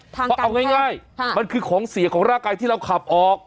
เพราะเอาง่ายมันคือของเสียของร่างกายที่เราขับออก